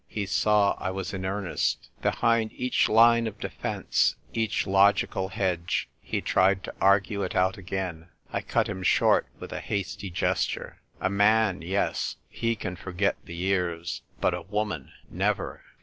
He saw I was in earnest. Behind each line of defence, each logical hedge, he tried to argue it out again. I cut him short with a hasty gesture. "A man, yes, he can forget the years ; but a woman — never